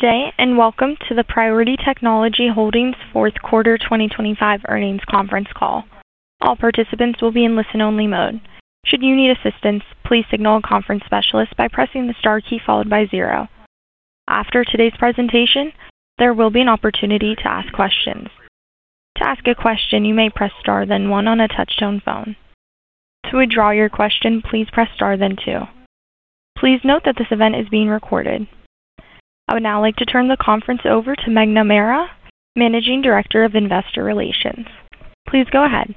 Good day, and welcome to the Priority Technology Holdings Fourth Quarter 2025 Earnings Conference Call. All participants will be in listen-only mode. Should you need assistance, please signal a conference specialist by pressing the star key followed by zero. After today's presentation, there will be an opportunity to ask questions. To ask a question, you may press star then one on a touch-tone phone. To withdraw your question, please press star then two. Please note that this event is being recorded. I would now like to turn the conference over to Meghna Mehra, Managing Director of Investor Relations. Please go ahead.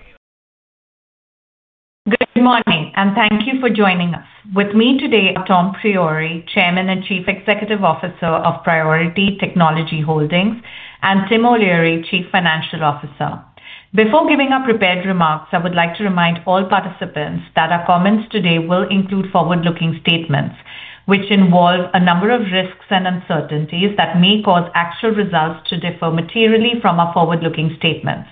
Good morning, and thank you for joining us. With me today are Tom Priore, Chairman and Chief Executive Officer of Priority Technology Holdings, and Tim O'Leary, Chief Financial Officer. Before giving our prepared remarks, I would like to remind all participants that our comments today will include forward-looking statements, which involve a number of risks and uncertainties that may cause actual results to differ materially from our forward-looking statements.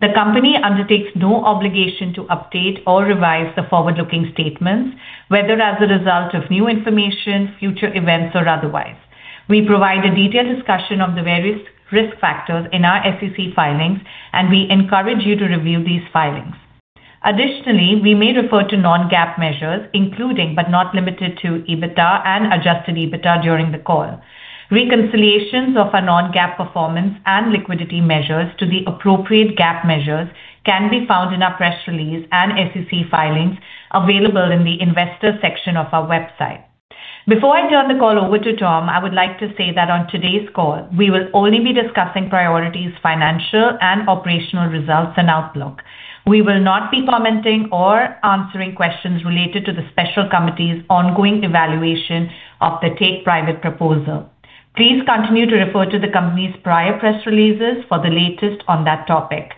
The company undertakes no obligation to update or revise the forward-looking statements, whether as a result of new information, future events, or otherwise. We provide a detailed discussion of the various risk factors in our SEC filings, and we encourage you to review these filings. Additionally, we may refer to non-GAAP measures, including but not limited to EBITDA and adjusted EBITDA, during the call. Reconciliations of our non-GAAP performance and liquidity measures to the appropriate GAAP measures can be found in our press release and SEC filings available in the Investors section of our website. Before I turn the call over to Tom, I would like to say that on today's call, we will only be discussing Priority's financial and operational results and outlook. We will not be commenting or answering questions related to the special committee's ongoing evaluation of the take-private proposal. Please continue to refer to the company's prior press releases for the latest on that topic.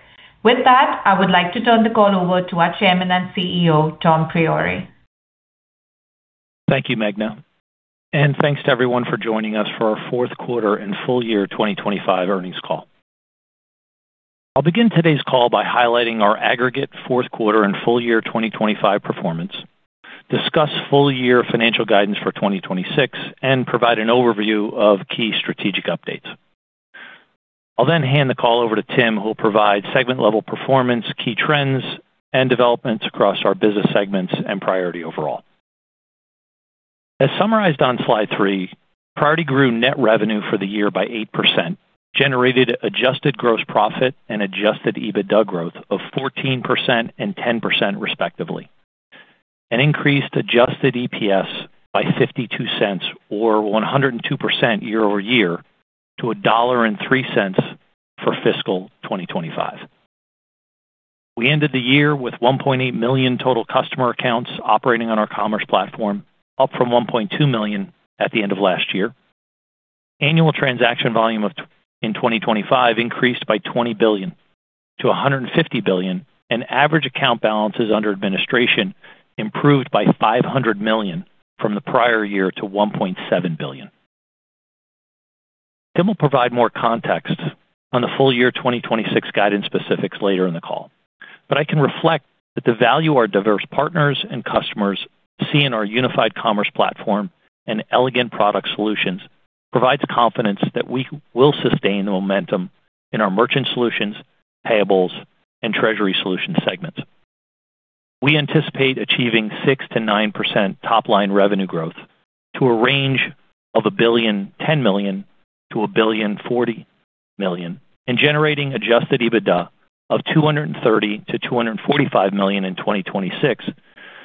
With that, I would like to turn the call over to our Chairman and CEO, Tom Priore. Thank you, Meghna, and thanks to everyone for joining us for our fourth quarter and full year 2025 earnings call. I'll begin today's call by highlighting our aggregate fourth quarter and full year 2025 performance, discuss full year financial guidance for 2026, and provide an overview of key strategic updates. I'll then hand the call over to Tim, who will provide segment-level performance, key trends, and developments across our business segments and Priority overall. As summarized on slide three, Priority grew net revenue for the year by 8%, generated adjusted gross profit and adjusted EBITDA growth of 14% and 10% respectively, and increased adjusted EPS by $0.52 or 102% year-over-year to $1.03 for fiscal 2025. We ended the year with 1.8 million total customer accounts operating on our commerce platform, up from 1.2 million at the end of last year. Annual transaction volume in 2025 increased by $20 billion to $150 billion, and average account balances under administration improved by $500 million from the prior year to $1.7 billion. Tim will provide more context on the full year 2026 guidance specifics later in the call. I can reflect that the value our diverse partners and customers see in our unified commerce platform and elegant product solutions provides confidence that we will sustain the momentum in our Merchant Solutions, Payables, and Treasury Solutions segments. We anticipate achieving 6%-9% top-line revenue growth to a range of $1.01 billion-$1.04 billion and generating adjusted EBITDA of $230 million-$245 million in 2026,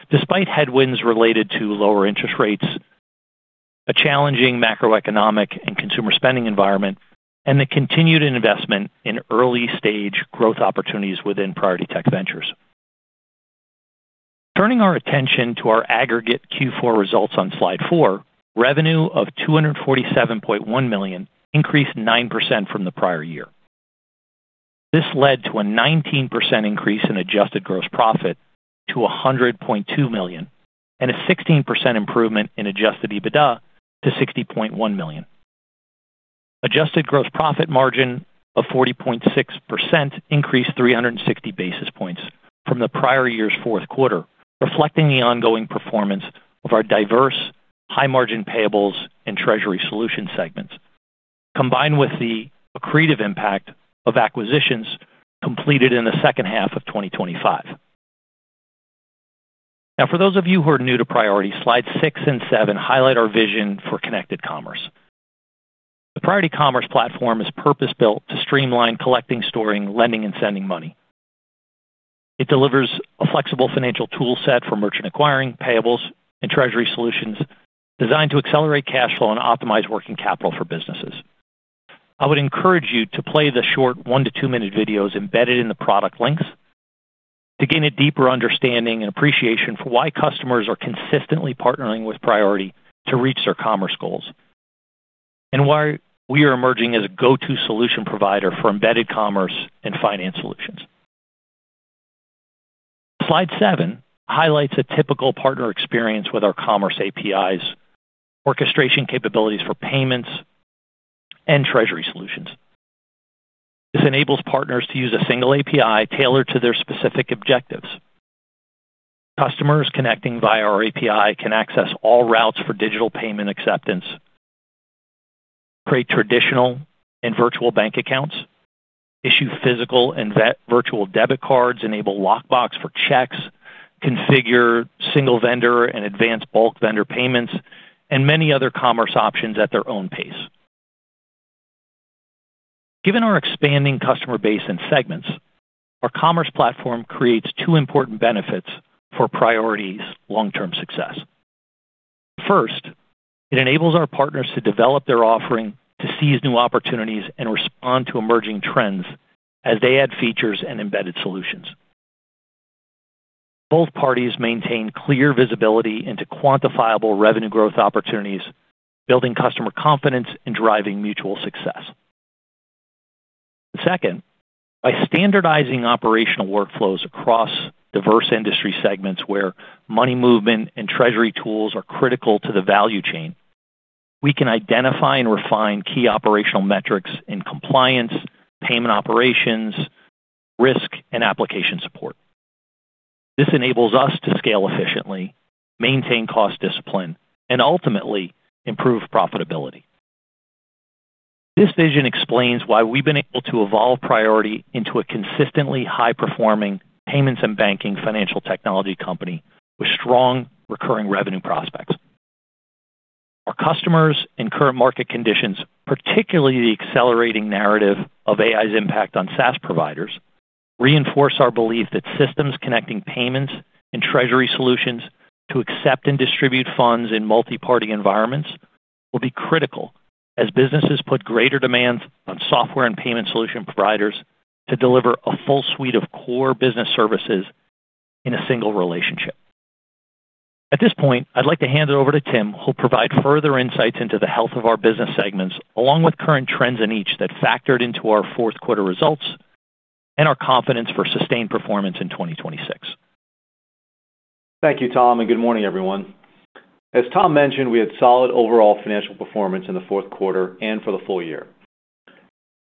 despite headwinds related to lower interest rates, a challenging macroeconomic and consumer spending environment, and the continued investment in early-stage growth opportunities within Priority Tech Ventures. Turning our attention to our aggregate Q4 results on slide four, revenue of $247.1 million increased 9% from the prior year. This led to a 19% increase in adjusted gross profit to $100.2 million and a 16% improvement in adjusted EBITDA to $60.1 million. Adjusted gross profit margin of 40.6% increased 360 basis points from the prior year's fourth quarter, reflecting the ongoing performance of our diverse high-margin Payables and Treasury Solutions segments, combined with the accretive impact of acquisitions completed in the second half of 2025. Now for those of you who are new to Priority, slides six and seven highlight our vision for Connected Commerce. The Priority Commerce platform is purpose-built to streamline collecting, storing, lending, and sending money. It delivers a flexible financial toolset for merchant acquiring, Payables, and Treasury Solutions designed to accelerate cash flow and optimize working capital for businesses. I would encourage you to play the short one to two minute videos embedded in the product links to gain a deeper understanding and appreciation for why customers are consistently partnering with Priority to reach their commerce goals and why we are emerging as a go-to solution provider for embedded commerce and finance solutions. Slide seven highlights a typical partner experience with our commerce APIs, orchestration capabilities for payments, and Treasury Solutions. This enables partners to use a single API tailored to their specific objectives. Customers connecting via our API can access all routes for digital payment acceptance, create traditional and virtual bank accounts, issue physical and virtual debit cards, enable lockbox for checks, configure single vendor and advanced bulk vendor payments, and many other commerce options at their own pace. Given our expanding customer base and segments, our commerce platform creates two important benefits for Priority's long-term success. First, it enables our partners to develop their offering to seize new opportunities and respond to emerging trends as they add features and embedded solutions. Both parties maintain clear visibility into quantifiable revenue growth opportunities, building customer confidence and driving mutual success. Second, by standardizing operational workflows across diverse industry segments where money movement and treasury tools are critical to the value chain, we can identify and refine key operational metrics in compliance, payment operations, risk, and application support. This enables us to scale efficiently, maintain cost discipline, and ultimately improve profitability. This vision explains why we've been able to evolve Priority into a consistently high-performing payments and banking financial technology company with strong recurring revenue prospects. Our customers and current market conditions, particularly the accelerating narrative of AI's impact on SaaS providers, reinforce our belief that systems connecting payments and treasury solutions to accept and distribute funds in multi-party environments will be critical as businesses put greater demands on software and payment solution providers to deliver a full suite of core business services in a single relationship. At this point, I'd like to hand it over to Tim, who'll provide further insights into the health of our business segments, along with current trends in each that factored into our fourth quarter results and our confidence for sustained performance in 2026. Thank you, Tom, and good morning, everyone. As Tom mentioned, we had solid overall financial performance in the fourth quarter and for the full year.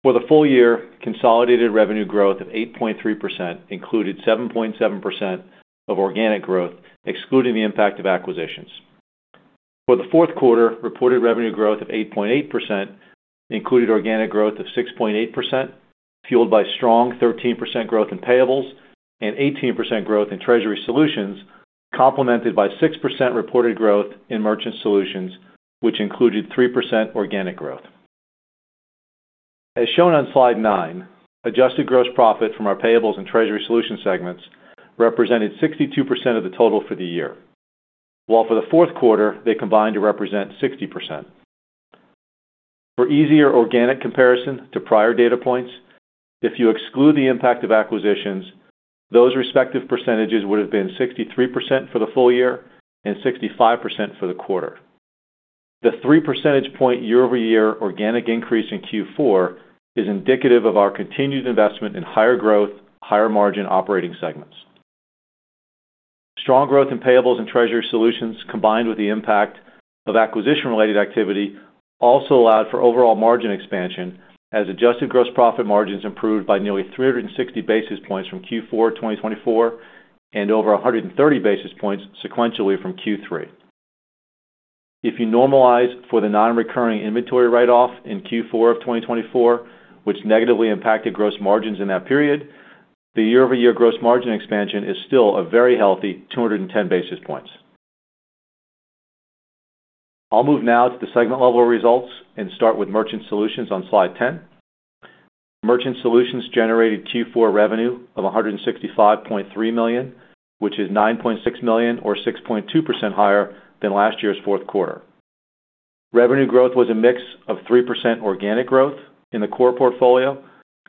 For the full year, consolidated revenue growth of 8.3% included 7.7% of organic growth, excluding the impact of acquisitions. For the fourth quarter, reported revenue growth of 8.8% included organic growth of 6.8%, fueled by strong 13% growth in Payables and 18% growth in Treasury Solutions, complemented by 6% reported growth in Merchant Solutions, which included 3% organic growth. As shown on slide nine, adjusted gross profit from our Payables and Treasury Solutions segments represented 62% of the total for the year. While for the fourth quarter, they combined to represent 60%. For easier organic comparison to prior data points, if you exclude the impact of acquisitions, those respective percentages would have been 63% for the full year and 65% for the quarter. The 3-percentage point year-over-year organic increase in Q4 is indicative of our continued investment in higher growth, higher margin operating segments. Strong growth in Payables and Treasury Solutions, combined with the impact of acquisition-related activity, also allowed for overall margin expansion as adjusted gross profit margins improved by nearly 360 basis points from Q4 2024 and over 130 basis points sequentially from Q3. If you normalize for the non-recurring inventory write-off in Q4 of 2024, which negatively impacted gross margins in that period, the year-over-year gross margin expansion is still a very healthy 210 basis points. I'll move now to the segment-level results and start with Merchant Solutions on slide 10. Merchant Solutions generated Q4 revenue of $165.3 million, which is $9.6 million or 6.2% higher than last year's fourth quarter. Revenue growth was a mix of 3% organic growth in the core portfolio,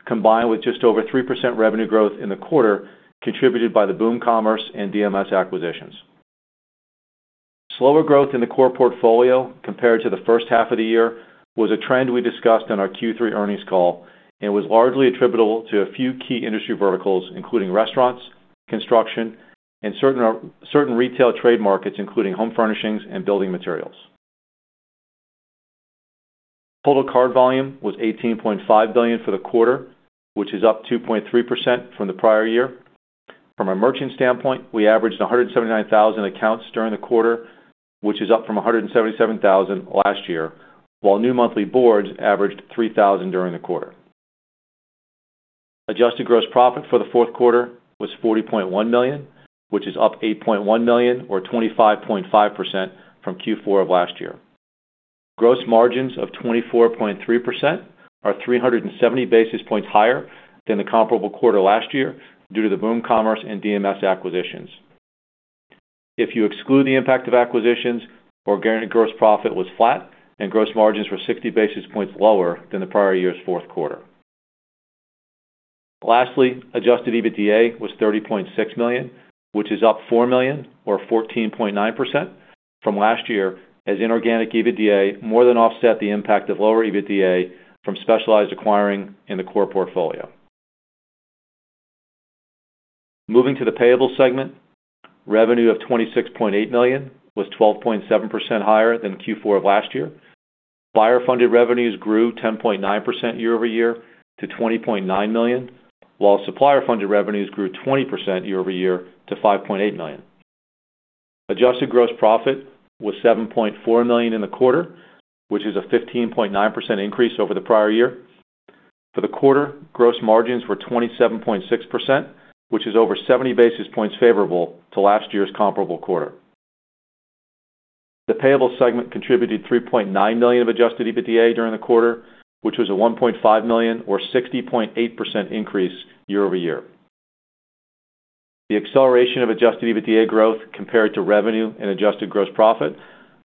combined with just over 3% revenue growth in the quarter contributed by the Boom Commerce and DMS acquisitions. Slower growth in the core portfolio compared to the first half of the year was a trend we discussed on our Q3 earnings call and was largely attributable to a few key industry verticals, including restaurants, construction, and certain retail trade markets, including home furnishings and building materials. Total card volume was 18.5 billion for the quarter, which is up 2.3% from the prior year. From a merchant standpoint, we averaged 179,000 accounts during the quarter, which is up from 177,000 last year, while new monthly boards averaged 3,000 during the quarter. Adjusted gross profit for the fourth quarter was $40.1 million, which is up $8.1 million or 25.5% from Q4 of last year. Gross margins of 24.3% are 370 basis points higher than the comparable quarter last year due to the Boom Commerce and DMS acquisitions. If you exclude the impact of acquisitions, organic gross profit was flat and gross margins were 60 basis points lower than the prior year's fourth quarter. Lastly, adjusted EBITDA was $30.6 million, which is up $4 million or 14.9% from last year as inorganic EBITDA more than offset the impact of lower EBITDA from specialized acquiring in the core portfolio. Moving to the payables segment, revenue of $26.8 million was 12.7% higher than Q4 of last year. Buyer funded revenues grew 10.9% year-over-year to $20.9 million, while supplier funded revenues grew 20% year-over-year to $5.8 million. Adjusted gross profit was $7.4 million in the quarter, which is a 15.9% increase over the prior year. For the quarter, gross margins were 27.6%, which is over 70 basis points favorable to last year's comparable quarter. The Payables segment contributed $3.9 million of adjusted EBITDA during the quarter, which was a $1.5 million or 60.8% increase year-over-year. The acceleration of adjusted EBITDA growth compared to revenue and adjusted gross profit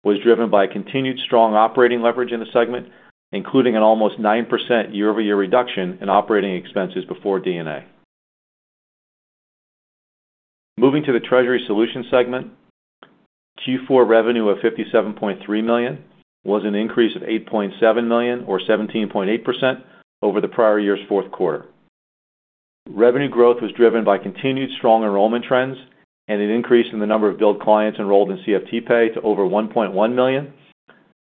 was driven by continued strong operating leverage in the segment, including an almost 9% year-over-year reduction in operating expenses before D&A. Moving to the Treasury Solutions segment, Q4 revenue of $57.3 million was an increase of $8.7 million or 17.8% over the prior year's fourth quarter. Revenue growth was driven by continued strong enrollment trends and an increase in the number of billed clients enrolled in CFTPay to over 1.1 million,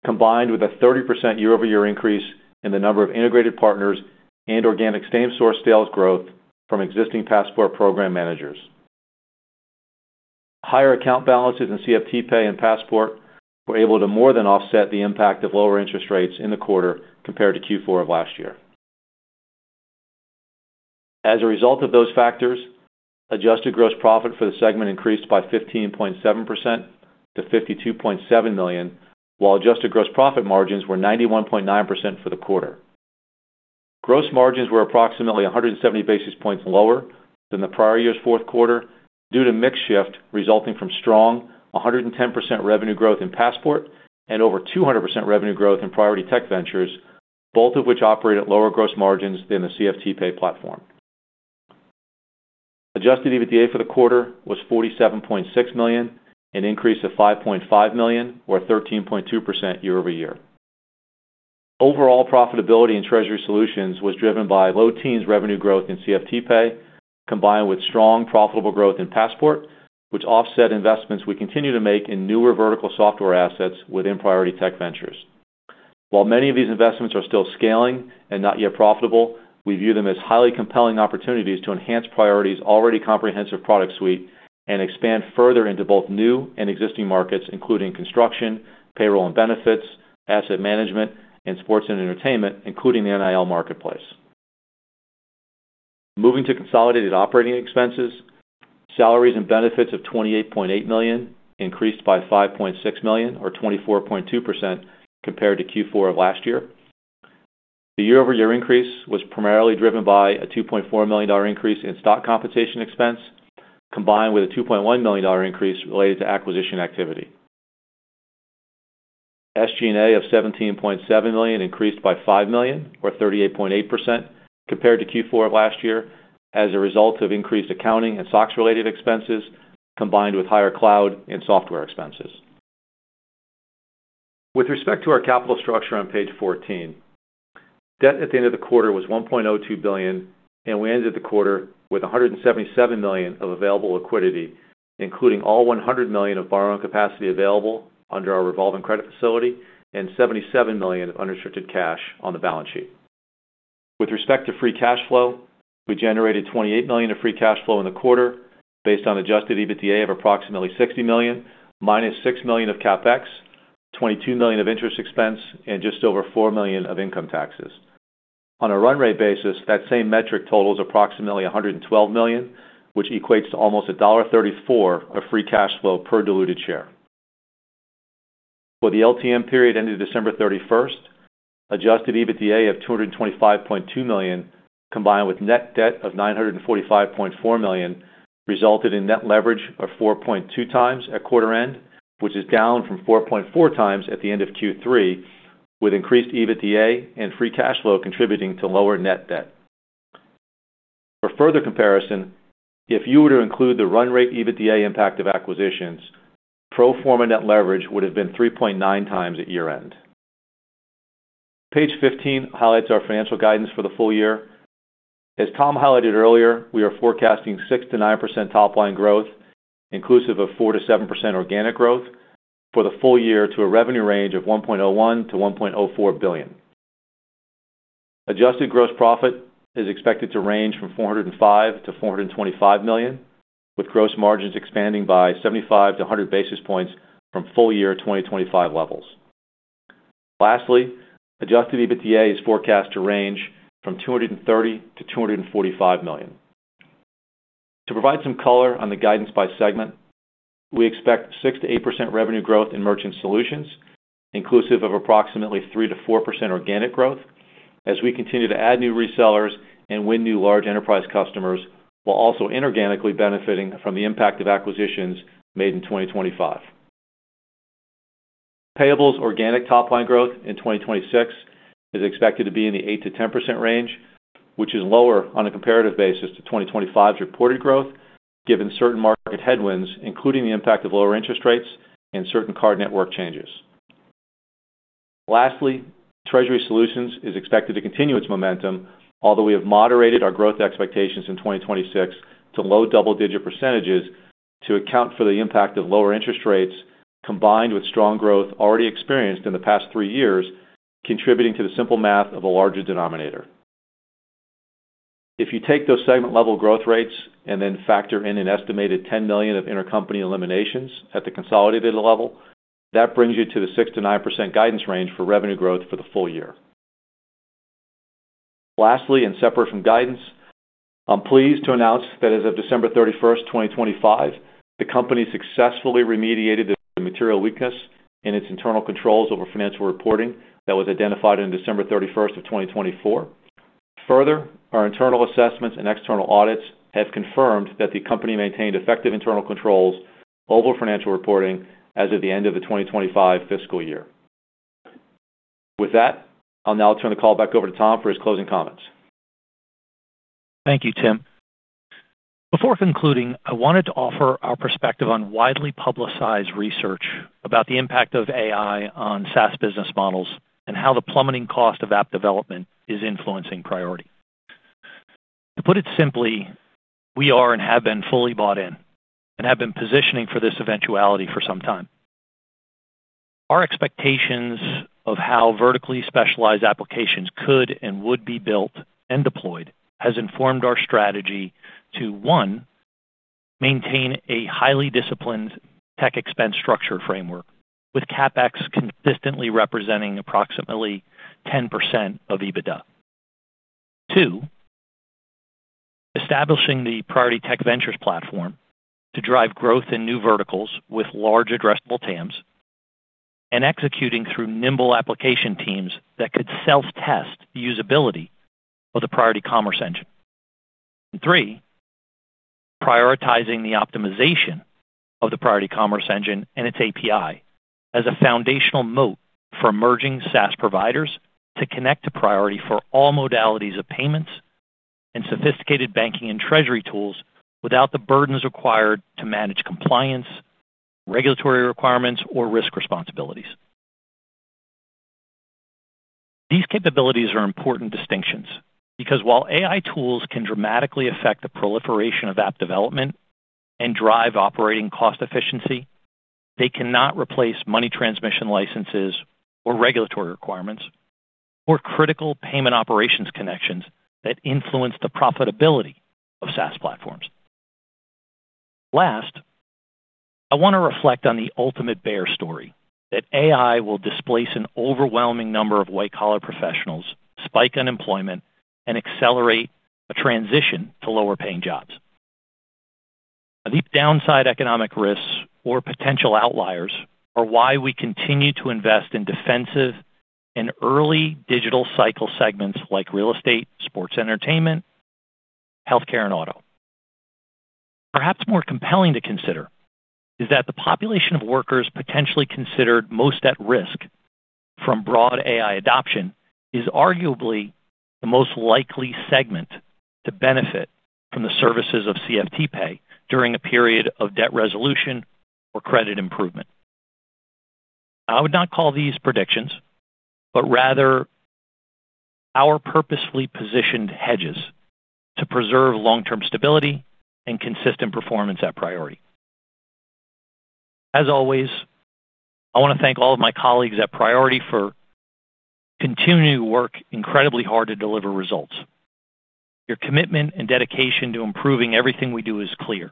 combined with a 30% year-over-year increase in the number of integrated partners and organic same-store sales growth from existing Passport program managers. Higher account balances in CFTPay and Passport were able to more than offset the impact of lower interest rates in the quarter compared to Q4 of last year. As a result of those factors, adjusted gross profit for the segment increased by 15.7% to $52.7 million, while adjusted gross profit margins were 91.9% for the quarter. Gross margins were approximately 170 basis points lower than the prior year's fourth quarter due to mix shift resulting from strong 110% revenue growth in Passport and over 200% revenue growth in Priority Tech Ventures, both of which operate at lower gross margins than the CFTPay platform. Adjusted EBITDA for the quarter was $47.6 million, an increase of $5.5 million or 13.2% year-over-year. Overall profitability in Treasury Solutions was driven by low teens revenue growth in CFTPay, combined with strong profitable growth in Passport, which offset investments we continue to make in newer vertical software assets within Priority Tech Ventures. While many of these investments are still scaling and not yet profitable, we view them as highly compelling opportunities to enhance Priority's already comprehensive product suite and expand further into both new and existing markets, including construction, payroll and benefits, asset management, and sports and entertainment, including the NIL marketplace. Moving to consolidated operating expenses. Salaries and benefits of $28.8 million increased by $5.6 million or 24.2% compared to Q4 of last year. The year-over-year increase was primarily driven by a $2.4 million dollar increase in stock compensation expense, combined with a $2.1 million dollar increase related to acquisition activity. SG&A of $17.7 million increased by $5 million or 38.8% compared to Q4 of last year as a result of increased accounting and SOX related expenses, combined with higher cloud and software expenses. With respect to our capital structure on page 14, debt at the end of the quarter was $1.02 billion, and we ended the quarter with $177 million of available liquidity, including all $100 million of borrowing capacity available under our revolving credit facility and $77 million of unrestricted cash on the balance sheet. With respect to free cash flow, we generated $28 million of free cash flow in the quarter based on adjusted EBITDA of approximately $60 million, minus $6 million of CapEx, $22 million of interest expense, and just over $4 million of income taxes. On a run rate basis, that same metric totals approximately $112 million, which equates to almost $1.34 of free cash flow per diluted share. For the LTM period ended December 31, adjusted EBITDA of $225.2 million, combined with net debt of $945.4 million, resulted in net leverage of 4.2x at quarter end, which is down from 4.4x at the end of Q3, with increased EBITDA and free cash flow contributing to lower net debt. For further comparison, if you were to include the run rate EBITDA impact of acquisitions, pro forma net leverage would have been 3.9x at year-end. Page 15 highlights our financial guidance for the full year. As Tom highlighted earlier, we are forecasting 6%-9% top line growth, inclusive of 4%-7% organic growth for the full year to a revenue range of $1.01 billion-$1.04 billion. Adjusted gross profit is expected to range from $405 million-$425 million, with gross margins expanding by 75-100 basis points from full year 2025 levels. Lastly, adjusted EBITDA is forecast to range from $230 million-$245 million. To provide some color on the guidance by segment, we expect 6%-8% revenue growth in Merchant Solutions, inclusive of approximately 3%-4% organic growth as we continue to add new resellers and win new large enterprise customers, while also inorganically benefiting from the impact of acquisitions made in 2025. Payables organic top line growth in 2026 is expected to be in the 8%-10% range, which is lower on a comparative basis to 2025's reported growth, given certain market headwinds, including the impact of lower interest rates and certain card network changes. Lastly, Treasury Solutions is expected to continue its momentum, although we have moderated our growth expectations in 2026 to low double-digit percentages to account for the impact of lower interest rates combined with strong growth already experienced in the past three years, contributing to the simple math of a larger denominator. If you take those segment-level growth rates and then factor in an estimated $10 million of intercompany eliminations at the consolidated level, that brings you to the 6%-9% guidance range for revenue growth for the full year. Lastly, and separate from guidance, I'm pleased to announce that as of December 31, 2025, the company successfully remediated the material weakness in its internal controls over financial reporting that was identified on December 31, 2024. Further, our internal assessments and external audits have confirmed that the company maintained effective internal controls over financial reporting as of the end of the 2025 fiscal year. With that, I'll now turn the call back over to Tom for his closing comments. Thank you, Tim. Before concluding, I wanted to offer our perspective on widely publicized research about the impact of AI on SaaS business models and how the plummeting cost of app development is influencing Priority. To put it simply, we are and have been fully bought in and have been positioning for this eventuality for some time. Our expectations of how vertically specialized applications could and would be built and deployed has informed our strategy to, one, maintain a highly disciplined tech expense structure framework with CapEx consistently representing approximately 10% of EBITDA. Two, establishing the Priority Tech Ventures platform to drive growth in new verticals with large addressable TAMs and executing through nimble application teams that could self-test the usability of the Priority Commerce Engine. Three, prioritizing the optimization of the Priority Commerce Engine and its API as a foundational moat for emerging SaaS providers to connect to Priority for all modalities of payments and sophisticated banking and treasury tools without the burdens required to manage compliance, regulatory requirements, or risk responsibilities. These capabilities are important distinctions because while AI tools can dramatically affect the proliferation of app development and drive operating cost efficiency, they cannot replace money transmission licenses or regulatory requirements or critical payment operations connections that influence the profitability of SaaS platforms. Last, I want to reflect on the ultimate bear story that AI will displace an overwhelming number of white-collar professionals, spike unemployment, and accelerate a transition to lower-paying jobs. Deep downside economic risks or potential outliers are why we continue to invest in defensive and early digital cycle segments like real estate, sports entertainment, healthcare, and auto. Perhaps more compelling to consider is that the population of workers potentially considered most at risk from broad AI adoption is arguably the most likely segment to benefit from the services of CFTPay during a period of debt resolution or credit improvement. I would not call these predictions, but rather our purposefully positioned hedges to preserve long-term stability and consistent performance at Priority. As always, I want to thank all of my colleagues at Priority for continuing to work incredibly hard to deliver results. Your commitment and dedication to improving everything we do is clear,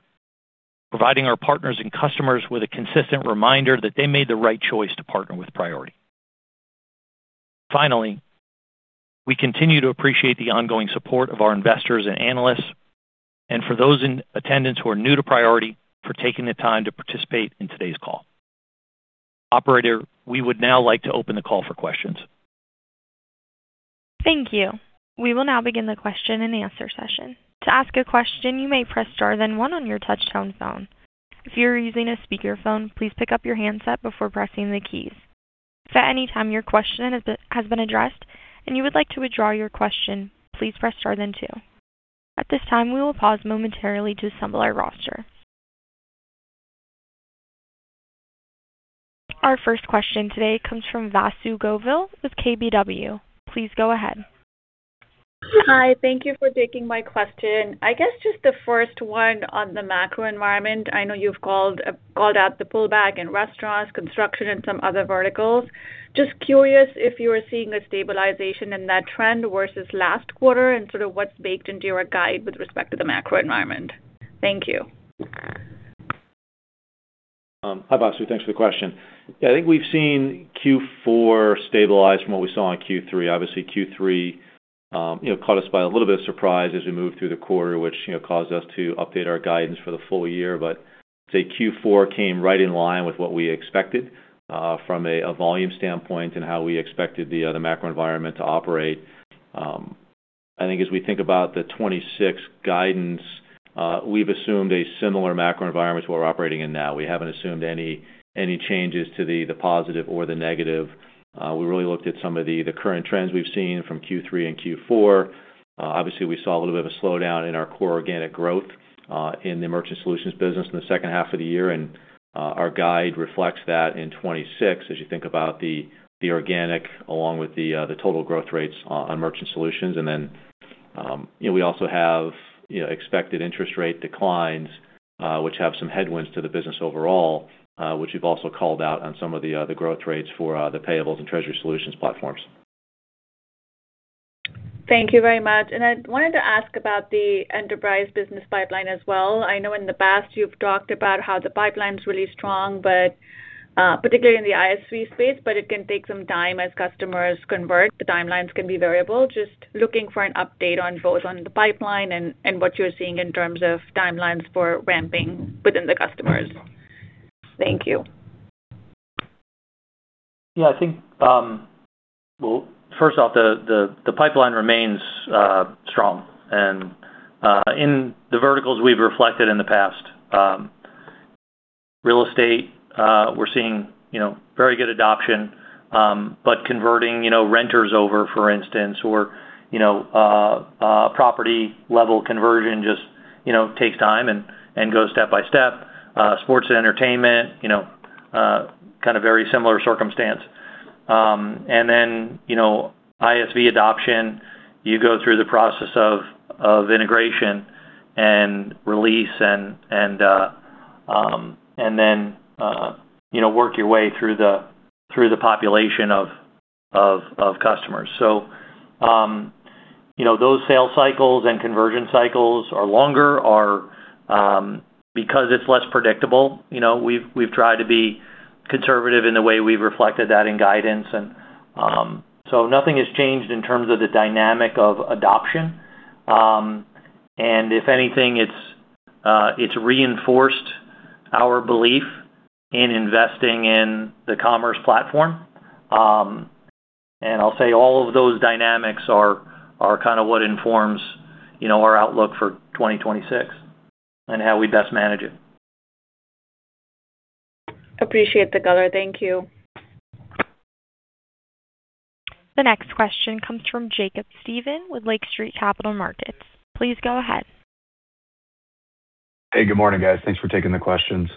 providing our partners and customers with a consistent reminder that they made the right choice to partner with Priority. Finally, we continue to appreciate the ongoing support of our investors and analysts and for those in attendance who are new to Priority for taking the time to participate in today's call. Operator, we would now like to open the call for questions. Thank you. We will now begin the question-and-answer session. To ask a question, you may press star then one on your touchtone phone. If you are using a speakerphone, please pick up your handset before pressing the keys. If at any time your question has been addressed and you would like to withdraw your question, please press star then two. At this time, we will pause momentarily to assemble our roster. Our first question today comes from Vasu Govil with KBW. Please go ahead. Hi. Thank you for taking my question. I guess just the first one on the macro environment. I know you've called out the pullback in restaurants, construction, and some other verticals. Just curious if you are seeing a stabilization in that trend versus last quarter and sort of what's baked into your guide with respect to the macro environment? Thank you. Hi, Vasu. Thanks for the question. Yeah, I think we've seen Q4 stabilize from what we saw in Q3. Obviously, Q3, you know, caught us by a little bit of surprise as we moved through the quarter, which, you know, caused us to update our guidance for the full year. But I'd say Q4 came right in line with what we expected, from a volume standpoint and how we expected the macro environment to operate. I think as we think about the 2026 guidance, we've assumed a similar macro environment to what we're operating in now. We haven't assumed any changes to the positive or the negative. We really looked at some of the current trends we've seen from Q3 and Q4. Obviously, we saw a little bit of a slowdown in our core organic growth in the Merchant Solutions business in the second half of the year. Our guide reflects that in 2026, as you think about the organic along with the total growth rates on Merchant Solutions. You know, we also have you know expected interest rate declines, which have some headwinds to the business overall, which we've also called out on some of the growth rates for the Payables and Treasury Solutions platforms. Thank you very much. I wanted to ask about the enterprise business pipeline as well. I know in the past you've talked about how the pipeline's really strong, but particularly in the ISV space, but it can take some time as customers convert. The timelines can be variable. Just looking for an update on both on the pipeline and what you're seeing in terms of timelines for ramping within the customers. Thank you. Yeah, I think, well, first off, the pipeline remains strong and in the verticals we've reflected in the past. Real estate, we're seeing, you know, very good adoption, but converting, you know, renters over, for instance, or, you know, property-level conversion just, you know, takes time and goes step by step. Sports and entertainment, you know, kind of very similar circumstance. And then, you know, ISV adoption, you go through the process of integration and release and then, you know, work your way through the population of customers. Those sales cycles and conversion cycles are longer or because it's less predictable. You know, we've tried to be conservative in the way we've reflected that in guidance. Nothing has changed in terms of the dynamic of adoption. If anything, it's reinforced our belief in investing in the commerce platform. I'll say all of those dynamics are kind of what informs, you know, our outlook for 2026 and how we best manage it. Appreciate the color. Thank you. The next question comes from Jacob Stephan with Lake Street Capital Markets. Please go ahead. Hey, good morning, guys. Thanks for taking the questions.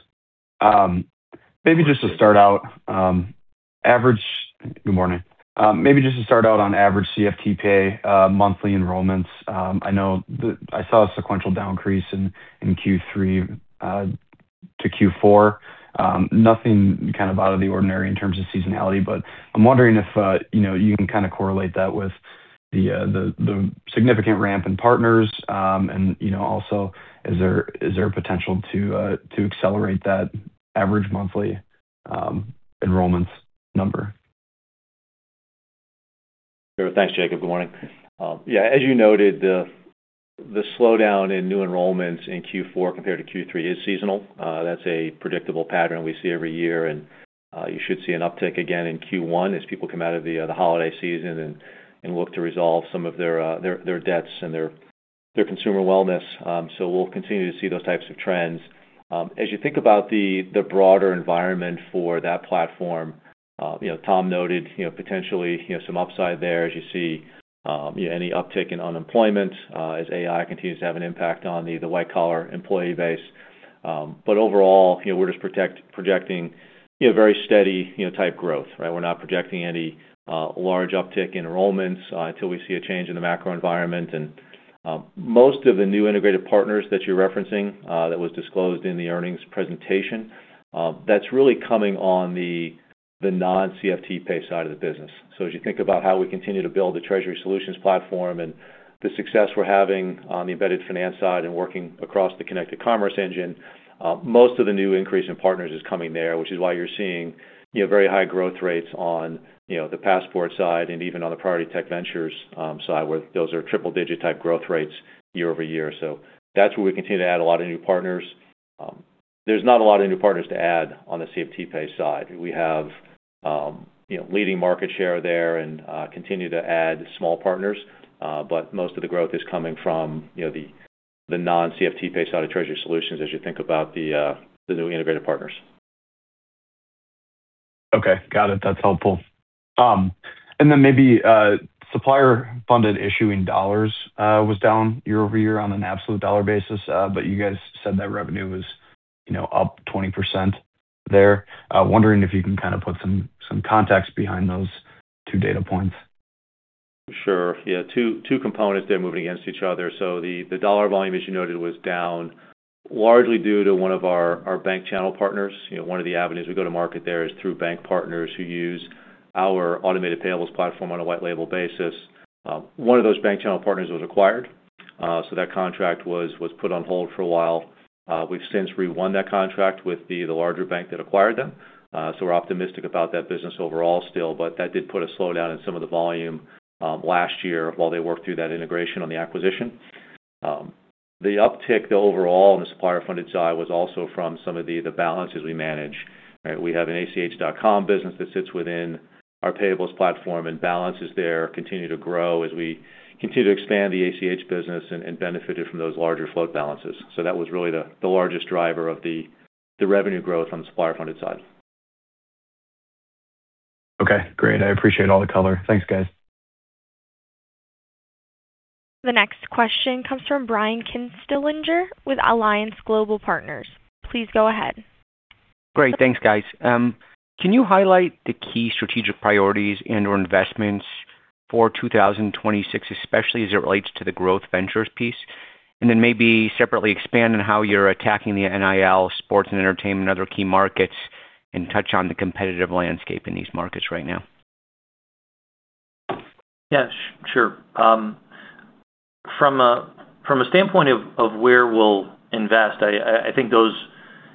Maybe just to start out on average CFTPay monthly enrollments. I know I saw a sequential down increase in Q3 to Q4. Nothing kind of out of the ordinary in terms of seasonality, but I'm wondering if you know you can kind of correlate that with the significant ramp in partners? And you know also, is there a potential to accelerate that average monthly enrollments number? Sure. Thanks, Jacob. Good morning. Yeah, as you noted, the slowdown in new enrollments in Q4 compared to Q3 is seasonal. That's a predictable pattern we see every year, and you should see an uptick in Q1 as people come out of the holiday season and look to resolve some of their debts and their consumer wellness. So we'll continue to see those types of trends. As you think about the broader environment for that platform, you know, Tom noted, you know, potentially, you know, some upside there as you see, you know, any uptick in unemployment, as AI continues to have an impact on the white collar employee base. But overall, you know, we're just projecting, you know, very steady, you know, type growth, right? We're not projecting any large uptick in enrollments till we see a change in the macro environment. Most of the new integrated partners that you're referencing that was disclosed in the earnings presentation that's really coming on the non-CFTPay side of the business. As you think about how we continue to build the Treasury Solutions platform and the success we're having on the embedded finance side and working across the Connected Commerce Engine most of the new increase in partners is coming there, which is why you're seeing you know very high growth rates on you know the Passport side and even on the Priority Tech Ventures side, where those are triple-digit type growth rates year-over-year. That's where we continue to add a lot of new partners. There's not a lot of new partners to add on the CFTPay side. We have, you know, leading market share there and continue to add small partners. Most of the growth is coming from, you know, the non-CFTPay side of Treasury Solutions as you think about the new integrated partners. Okay. Got it. That's helpful. Then maybe supplier-funded issuing dollars was down year-over-year on an absolute dollar basis. But you guys said that revenue was, you know, up 20% there. Wondering if you can kind of put some context behind those two data points? Sure. Yeah. Two components there moving against each other. The dollar volume, as you noted, was down largely due to one of our bank channel partners. You know, one of the avenues we go to market there is through bank partners who use our automated payables platform on a white label basis. One of those bank channel partners was acquired, so that contract was put on hold for a while. We've since re-won that contract with the larger bank that acquired them. We're optimistic about that business overall still, but that did put a slowdown in some of the volume last year while they worked through that integration on the acquisition. The uptick though overall on the supplier funded side was also from some of the balances we manage. Right? We have an ACH.com business that sits within our Payables platform, and balances there continue to grow as we continue to expand the ACH business and benefited from those larger float balances. That was really the largest driver of the revenue growth on the supplier funded side. Okay, great. I appreciate all the color. Thanks, guys. The next question comes from Brian Kinstlinger with Alliance Global Partners. Please go ahead. Great. Thanks, guys. Can you highlight the key strategic priorities and/or investments for 2026, especially as it relates to the growth ventures piece? Maybe separately expand on how you're attacking the NIL sports and entertainment and other key markets, and touch on the competitive landscape in these markets right now. Yes, sure. From a standpoint of where we'll invest, I think those,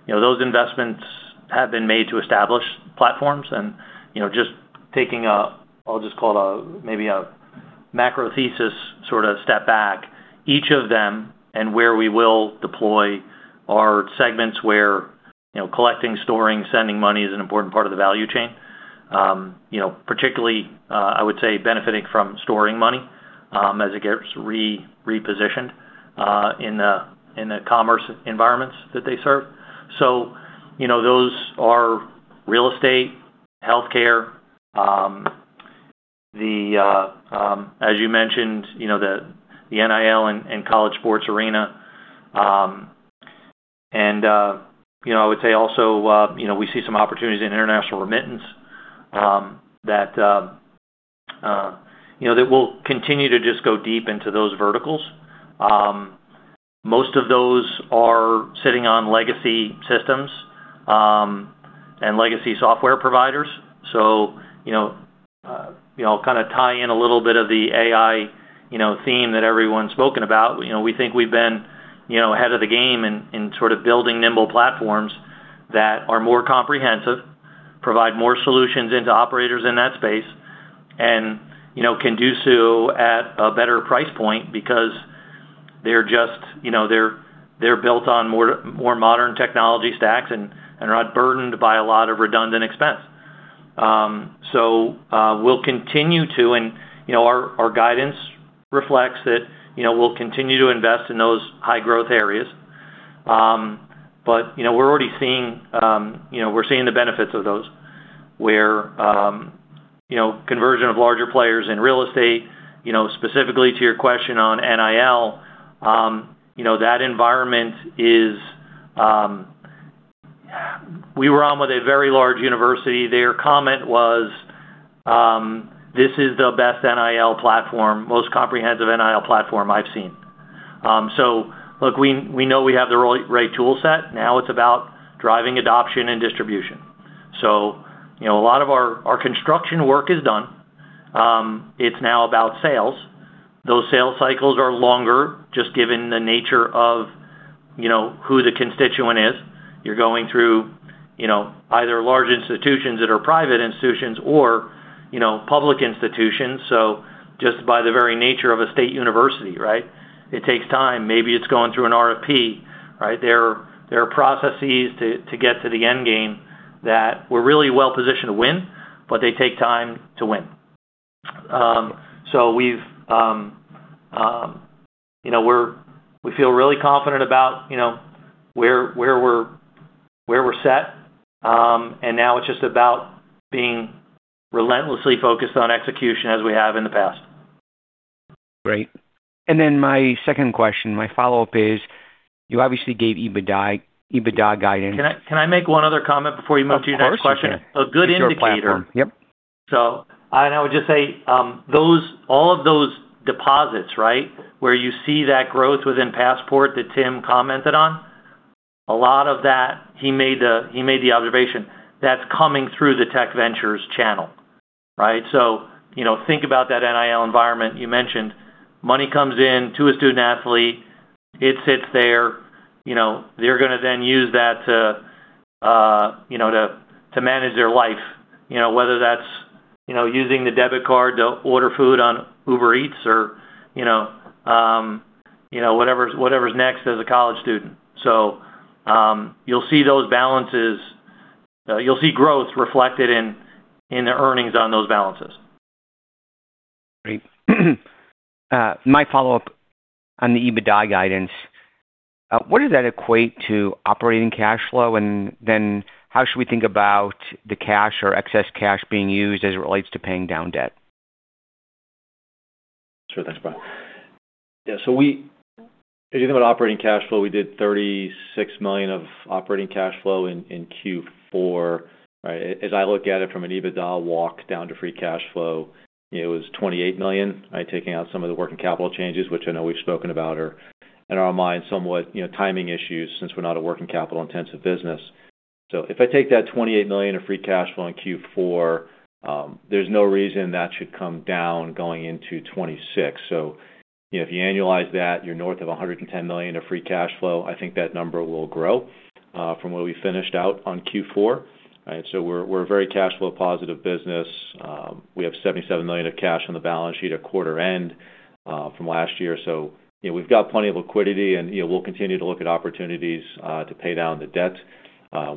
you know, those investments have been made to establish platforms and, you know, just taking a, I'll just call it a maybe a macro thesis sort of step back each of them and where we will deploy are segments where, you know, collecting, storing, sending money is an important part of the value chain. You know, particularly, I would say benefiting from storing money, as it gets repositioned, in the commerce environments that they serve. You know, those are real estate, healthcare, as you mentioned, you know, the NIL and college sports arena. I would say also, you know, we see some opportunities in international remittance that we'll continue to just go deep into those verticals. Most of those are sitting on legacy systems and legacy software providers. You know, kind of tie in a little bit of the AI theme that everyone's spoken about. You know, we think we've been, you know, ahead of the game in sort of building nimble platforms that are more comprehensive, provide more solutions into operators in that space and, you know, can do so at a better price point because they're just, you know, they're built on more modern technology stacks and are not burdened by a lot of redundant expense. Our guidance reflects that, you know, we'll continue to invest in those high growth areas. We're already seeing, you know, we're seeing the benefits of those where, you know, conversion of larger players in real estate, you know, specifically to your question on NIL, you know, that environment is. We were on with a very large university. Their comment was, "This is the best NIL platform, most comprehensive NIL platform I've seen." Look, we know we have the right tool set. Now it's about driving adoption and distribution. You know, a lot of our construction work is done. It's now about sales. Those sales cycles are longer, just given the nature of, you know, who the constituent is. You're going through, you know, either large institutions that are private institutions or, you know, public institutions. Just by the very nature of a state university, right? It takes time. Maybe it's going through an RFP, right? There are processes to get to the end game that we're really well positioned to win, but they take time to win. We've, you know, we're—we feel really confident about, you know, where we're set. Now it's just about being relentlessly focused on execution as we have in the past. Great. My second question, my follow-up is, you obviously gave EBITDA guidance. Can I make one other comment before you move to your next question? Of course, you can. A good indicator. It's your platform. Yep. I now would just say, all of those deposits, right? Where you see that growth within Passport that Tim commented on, a lot of that, he made the observation that's coming through the tech ventures channel, right? You know, think about that NIL environment you mentioned. Money comes in to a student-athlete, it sits there, you know, they're gonna then use that to, you know, to manage their life, you know, whether that's, you know, using the debit card to order food on Uber Eats or, you know, whatever's next as a college student. You'll see those balances. You'll see growth reflected in the earnings on those balances. Great. My follow-up on the EBITDA guidance, what does that equate to operating cash flow? How should we think about the cash or excess cash being used as it relates to paying down debt? Sure. Thanks, Brian. Yeah, we if you think about operating cash flow, we did $36 million of operating cash flow in Q4, right? As I look at it from an EBITDA walk down to free cash flow, it was $28 million, right? Taking out some of the working capital changes which I know we've spoken about are, in our minds, somewhat, you know, timing issues since we're not a working capital-intensive business. If I take that $28 million of free cash flow in Q4, there's no reason that should come down going into 2026. You know, if you annualize that, you're north of $110 million of free cash flow. I think that number will grow from where we finished out on Q4, right? We're a very cash flow positive business. We have $77 million of cash on the balance sheet at quarter end from last year. You know, we've got plenty of liquidity, and you know, we'll continue to look at opportunities to pay down the debt.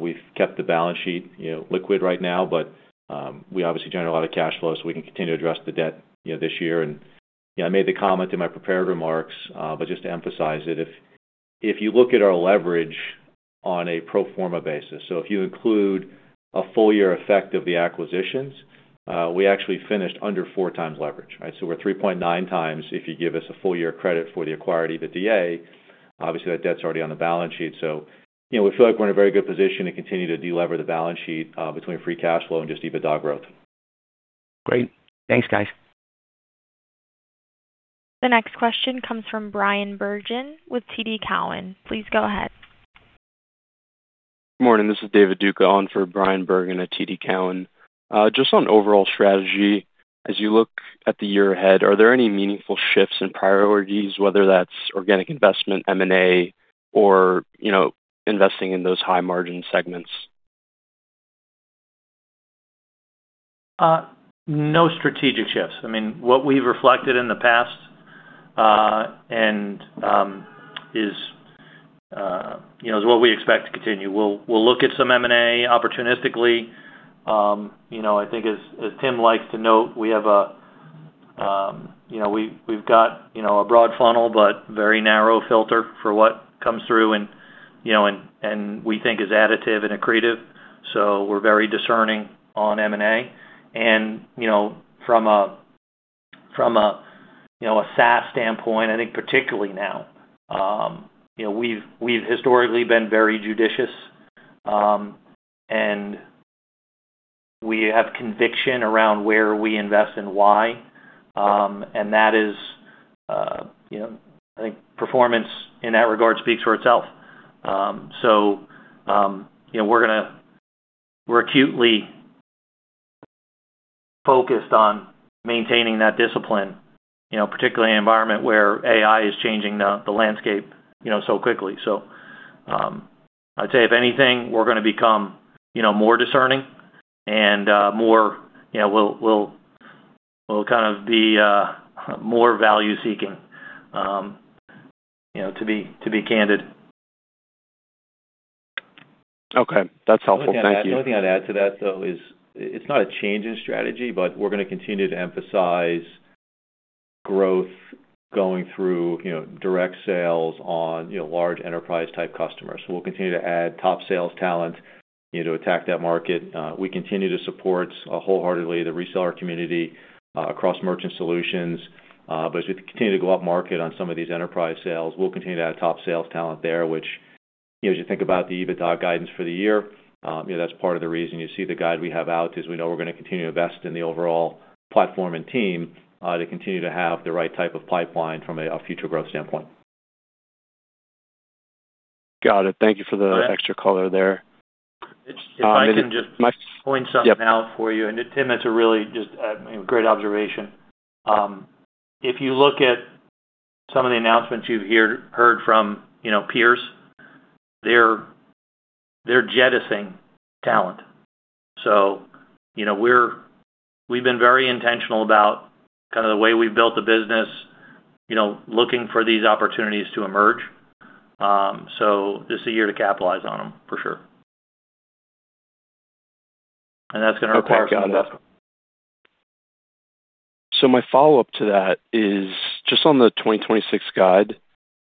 We've kept the balance sheet you know, liquid right now, but we obviously generate a lot of cash flow, so we can continue to address the debt you know, this year. You know, I made the comment in my prepared remarks, but just to emphasize it, if if you look at our leverage on a pro forma basis, so if you include a full year effect of the acquisitions, we actually finished under 4x leverage, right? We're 3.9x if you give us a full year credit for the acquired EBITDA. Obviously, that debt's already on the balance sheet. You know, we feel like we're in a very good position to continue to delever the balance sheet between free cash flow and just EBITDA growth. Great. Thanks, guys. The next question comes from Bryan Bergin with TD Cowen. Please go ahead. Good morning. This is David Duke on for Bryan Bergin at TD Cowen. Just on overall strategy, as you look at the year ahead, are there any meaningful shifts in priorities, whether that's organic investment, M&A or, you know, investing in those high-margin segments? No strategic shifts. I mean, what we've reflected in the past is, you know, what we expect to continue. We'll look at some M&A opportunistically. You know, I think as Tim likes to note, you know, we've got a broad funnel but very narrow filter for what comes through and, you know, we think is additive and accretive. We're very discerning on M&A. You know, from a SaaS standpoint, I think particularly now, you know, we've historically been very judicious and we have conviction around where we invest and why and that is, you know, I think performance in that regard speaks for itself. You know, we're acutely focused on maintaining that discipline, you know, particularly in an environment where AI is changing the landscape, you know, so quickly. I'd say if anything, we're gonna become, you know, more discerning and more, you know, we'll kind of be more value-seeking, you know, to be candid. Okay. That's helpful. Thank you. The only thing I'd add to that, though, is it's not a change in strategy, but we're gonna continue to emphasize growth going through, you know, direct sales on, you know, large enterprise-type customers. We'll continue to add top sales talent, you know, to attack that market. We continue to support wholeheartedly the reseller community across Merchant Solutions, but as we continue to go up market on some of these enterrprise sales. We'll continue to add top sales talent there, which, you know, as you think about the EBITDA guidance for the year, you know, that's part of the reason you see the guide we have out, is we know we're gonna continue to invest in the overall platform and team to continue to have the right type of pipeline from a future growth standpoint. Got it. Thank you for the extra color there. If I can just point something out for you, and Tim, that's a really just great observation. If you look at some of the announcements you heard from, you know, peers, they're jettisoning talent. So, you know, we've been very intentional about kind of the way we've built the business, you know, looking for these opportunities to emerge. So this is a year to capitalize on them for sure. That's gonna require some investment. My follow-up to that is just on the 2026 guide.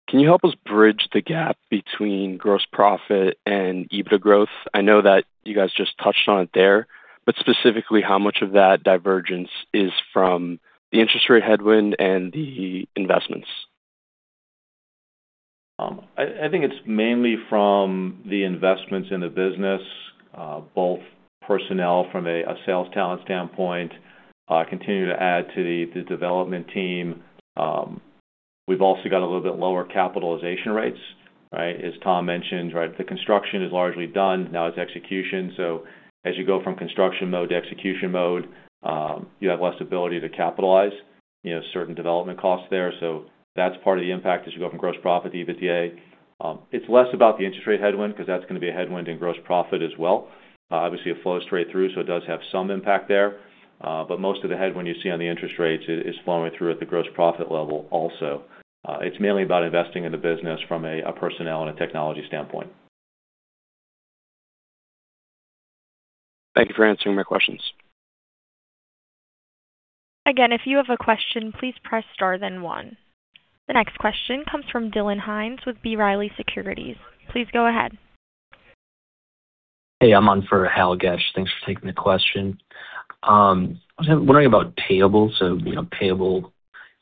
Can you help us bridge the gap between gross profit and EBITDA growth? I know that you guys just touched on it there, but specifically how much of that divergence is from the interest rate headwind and the investments? I think it's mainly from the investments in the business, both personnel from a sales talent standpoint, continue to add to the development team. We've also got a little bit lower capitalization rates, right? As Tom mentioned, right, the construction is largely done, now it's execution. As you go from construction mode to execution mode, you have less ability to capitalize, you know, certain development costs there. That's part of the impact as you go from gross profit to EBITDA. It's less about the interest rate headwind 'cause that's gonna be a headwind in gross profit as well. Obviously, it flows straight through, so it does have some impact there. Most of the headwind you see on the interest rates is flowing through at the gross profit level also. It's mainly about investing in the business from a personnel and a technology standpoint. Thank you for answering my questions. Again, if you have a question, please press star then one. The next question comes from Dylan Hinds with B. Riley Securities. Please go ahead. Hey, I'm on for Hal Goetsch. Thanks for taking the question. I was wondering about Payables. You know, Payables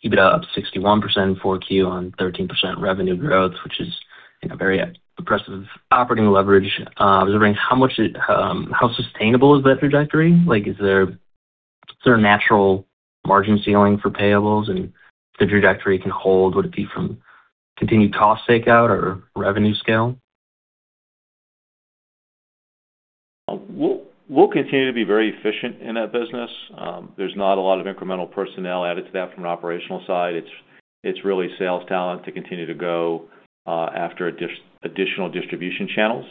EBITDA up 61% in 4Q on 13% revenue growth, which is, you know, very impressive operating leverage. I was wondering how sustainable is that trajectory? Like, is there a natural margin ceiling for Payables? If the trajectory can hold, would it be from continued cost takeout or revenue scale? We'll continue to be very efficient in that business. There's not a lot of incremental personnel added to that from an operational side. It's really sales talent to continue to go after additional distribution channels.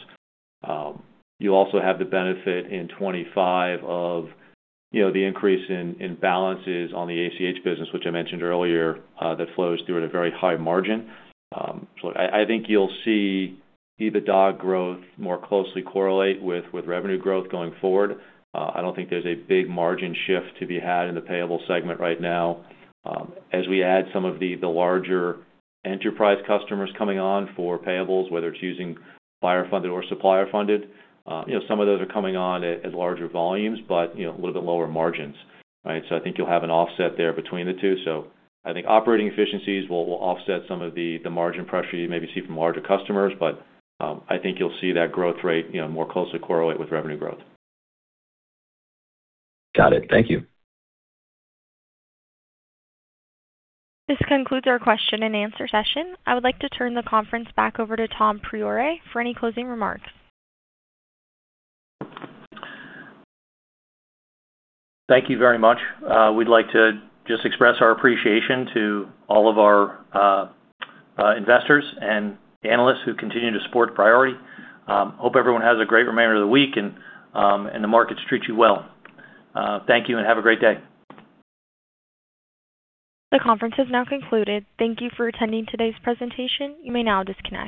You also have the benefit in 2025 of, you know, the increase in balances on the ACH business, which I mentioned earlier, that flows through at a very high margin. I think you'll see EBITDA growth more closely correlate with revenue growth going forward. I don't think there's a big margin shift to be had in the Payables segment right now. As we add some of the larger enterprise customers coming on for Payables, whether it's using buyer-funded or supplier-funded, you know, some of those are coming on at larger volumes, but, you know, a little bit lower margins, right? I think you'll have an offset there between the two. I think operating efficiencies will offset some of the margin pressure you maybe see from larger customers, but, I think you'll see that growth rate, you know, more closely correlate with revenue growth. Got it. Thank you. This concludes our question and answer session. I would like to turn the conference back over to Tom Priore for any closing remarks. Thank you very much. We'd like to just express our appreciation to all of our investors and analysts who continue to support Priority. Hope everyone has a great remainder of the week and the markets treat you well. Thank you and have a great day. The conference has now concluded. Thank you for attending today's presentation. You may now disconnect.